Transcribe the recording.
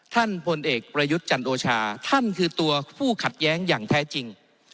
พลเอกประยุทธ์จันโอชาท่านคือตัวผู้ขัดแย้งอย่างแท้จริง